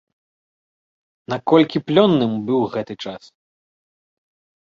Наколькі плённым быў гэты час?